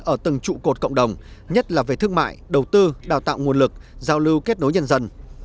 ở từng trụ cột cộng đồng nhất là về thương mại đầu tư đào tạo nguồn lực giao lưu kết nối nhân dân